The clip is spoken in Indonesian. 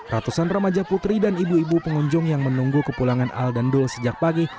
ratusan remaja putri dan ibu ibu pengunjung yang menunggu kepulangan al dan dul sejak pagi